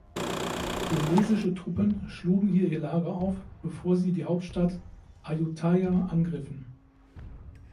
Burmesische Truppen schlugen hier ihr Lager auf, bevor sie die Hauptstadt Ayutthaya angriffen.